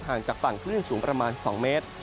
จากฝั่งคลื่นสูงประมาณ๒เมตร